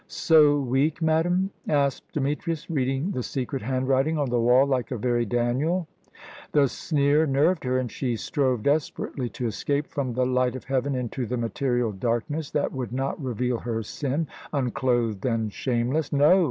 "So weak, madame?" asked Demetrius, reading the secret handwriting on the wall like a very Daniel. The sneer nerved her, and she strove desperately to escape from the light of heaven into the material darkness, that would not reveal her sin, unclothed and shameless. "No!"